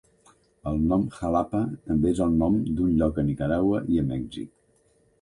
El nom Jalapa també és el nom d'un lloc a Nicaragua i a Mèxic.